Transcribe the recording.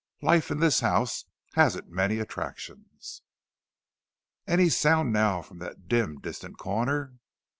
Life in this house hasn't many attractions." Any sound now from that dim, distant corner?